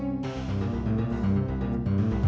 eh rokok kan haram pun